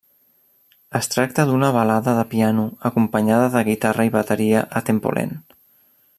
Es tracta d'una balada de piano acompanyada de guitarra i bateria a tempo lent.